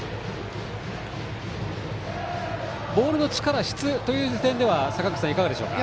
ボールの力、質は坂口さん、いかがでしょうか。